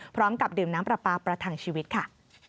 พร้อมกับดื่มน้ำปลาปลาประทังชีวิตค่ะ